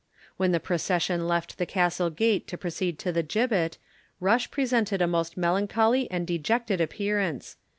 When the procession left the Castle gate to proceed to the gibbet, Rush presented a most melancholy and dejected appearance.